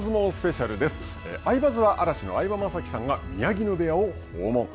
アイバズは嵐の相葉雅紀さんが宮城野部屋を訪問。